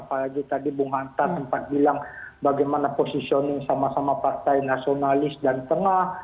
apalagi tadi bung hanta sempat bilang bagaimana positioning sama sama partai nasionalis dan tengah